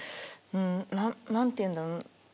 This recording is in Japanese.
何て言うんだろう